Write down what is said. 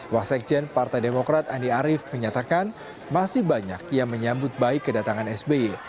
wasekjen partai demokrat andi arief menyatakan masih banyak yang menyambut baik kedatangan sby